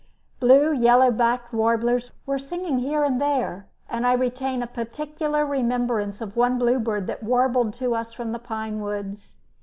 Blue yellow backed warblers were singing here and there, and I retain a particular remembrance of one bluebird that warbled to us from the pine woods.